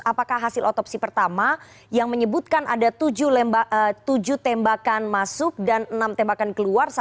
apakah hasil otopsi pertama yang menyebutkan ada tujuh tembakan masuk dan enam tembakan keluar